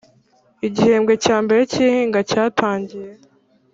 igihembwe cya mbere kihinga cyatangiye